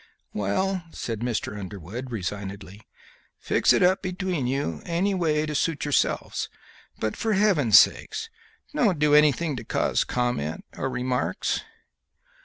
"Well," said Mr. Underwood, resignedly, "fix it up between you any way to suit yourselves; but for heaven's sake, don't do anything to cause comment or remarks!"